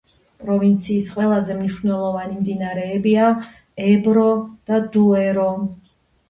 პროვინციის ყველაზე მნიშვნელოვანი მდინარეებია ებრო და დუერო.